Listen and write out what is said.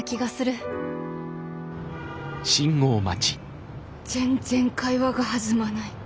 心の声全然会話が弾まない。